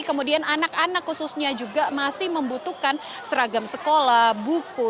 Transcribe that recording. kemudian anak anak khususnya juga masih membutuhkan seragam sekolah buku